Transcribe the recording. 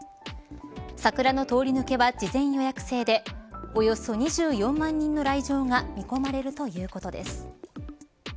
桜の通り抜けは事前予約制でおよそ２４万人の来場が見込まれるということです。